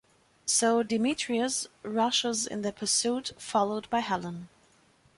So Demetrius rushes in their pursuit , followed by Helen.